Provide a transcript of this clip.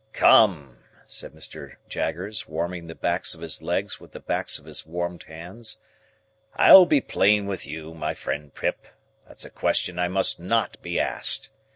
"Come!" said Mr. Jaggers, warming the backs of his legs with the backs of his warmed hands, "I'll be plain with you, my friend Pip. That's a question I must not be asked.